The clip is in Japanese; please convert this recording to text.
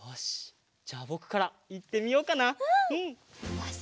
よし。